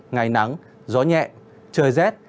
ngày nắng gió nhẹ trời rét